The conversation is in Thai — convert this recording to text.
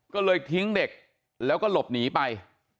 ก็เลยทิ้งเด็กแล้วก็หลบหนีไป